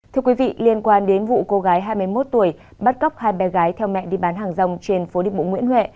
thưa quý vị liên quan đến vụ cô gái hai mươi một tuổi bắt cóc hai bé gái theo mẹ đi bán hàng rong trên phố đi bộ nguyễn huệ